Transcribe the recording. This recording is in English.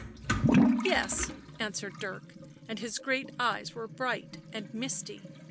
" Yes," answered Dirk, and his great eyes were bright and misty.